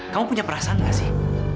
kamu punya perasaan gak sih